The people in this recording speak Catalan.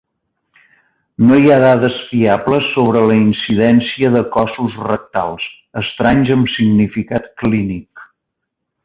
No hi ha dades fiables sobre la incidència de cossos rectals estranys amb significat clínic.